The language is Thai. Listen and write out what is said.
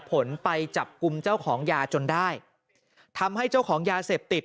ผลไปจับกลุ่มเจ้าของยาจนได้ทำให้เจ้าของยาเสพติด